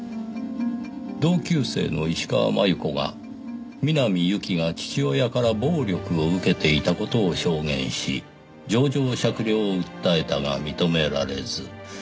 「同級生の石川真悠子が南侑希が父親から暴力を受けていた事を証言し情状酌量を訴えたが認められず」